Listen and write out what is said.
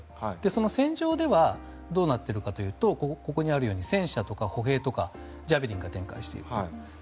その戦場ではどうなっているかというとここにあるように戦車とか歩兵とかジャベリンが展開している。